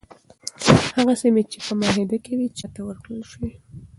هغه سیمي چي په معاهده کي وي چاته ورکړل شوې؟